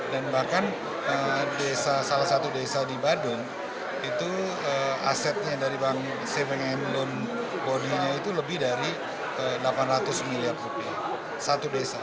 dan bahkan salah satu desa di badung itu asetnya dari bank saving and loan body nya itu lebih dari delapan ratus miliar rupiah satu desa